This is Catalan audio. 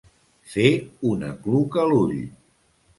Fer un acluca l'ull.